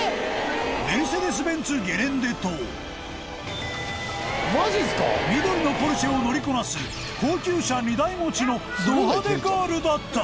メルセデス・ベンツゲレンデと緑のポルシェを乗りこなす高級車２台持ちのド派手ガールだった